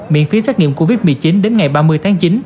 miễn phí xét nghiệm covid một mươi chín đến ngày ba mươi tháng chín